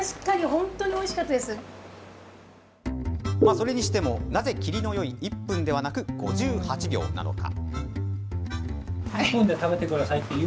それにしても、なぜ切りのよい１分ではなく５８秒なのか。